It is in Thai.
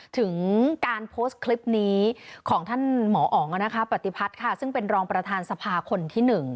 ถึงการโพสต์คลิปนี้ของท่านหมออ๋องปฏิพัฒน์ค่ะซึ่งเป็นรองประธานสภาคนที่๑